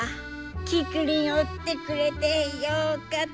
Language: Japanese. キクリンおってくれてよかった！